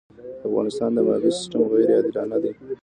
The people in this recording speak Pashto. د افغانستان د مالیې سېستم غیرې عادلانه دی.